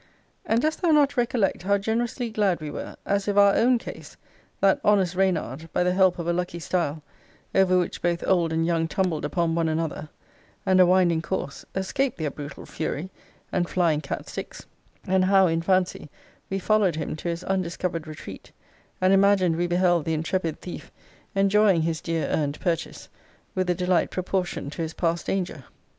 And dost thou not recollect how generously glad we were, as if our own case, that honest reynard, by the help of a lucky stile, over which both old and young tumbled upon one another, and a winding course, escaped their brutal fury, and flying catsticks; and how, in fancy, we followed him to his undiscovered retreat; and imagined we beheld the intrepid thief enjoying his dear earned purchase with a delight proportioned to his past danger?